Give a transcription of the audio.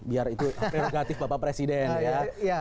biar itu prerogatif bapak presiden ya